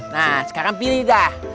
nah sekarang pilih dah